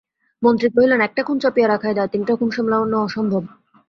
মন্ত্রী কহিলেন, একটা খুন চাপিয়া রাখাই দায়, তিনটা খুন সামলানো অসম্ভব।